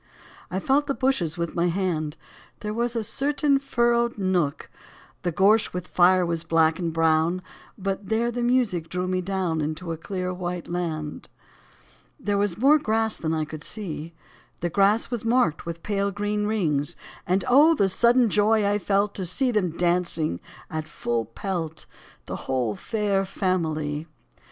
I felt the bushes with my hand : There was a certain furrowed nook — The gorse with fire was black and brown. But there the music drew me down Into a clear, white land. There was more grass than I could see, The grass was marked with pale, green rings ; And oh, the sudden joy I felt To see them dancing at full pelt, The whole Fair Family.